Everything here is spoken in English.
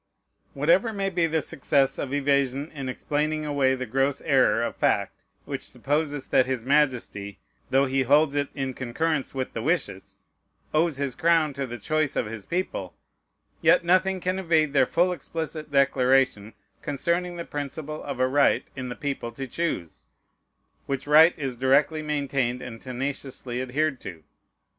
Whatever may be the success of evasion in explaining away the gross error fact, which supposes that his Majesty (though he holds it in concurrence with the wishes) owes his crown to the choice of his people, yet nothing can evade their full, explicit declaration concerning the principle of a right in the people to choose, which right is directly maintained, and tenaciously adhered to.